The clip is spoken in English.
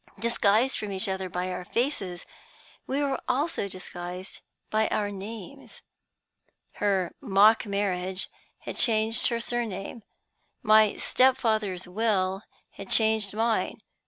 Disguised from each other by our faces, we were also disguised by our names. Her mock marriage had changed her surname. My step father's will had changed mine.